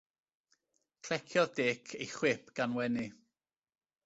Cleciodd Dic ei chwip gan wenu.